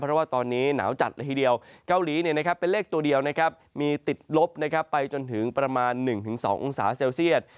เพราะว่าตอนนี้หนาวจัดละทีเดียวเกาหลีเป็นเลขตัวเดียวมีติดลบไปจนถึงประมาณ๑๒องศาเซลเซียต